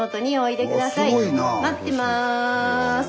待ってます。